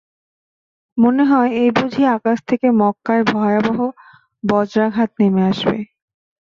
মনে হয়, এই বুঝি আকাশ থেকে মক্কায় ভয়াবহ বজ্রাঘাত নেমে আসবে।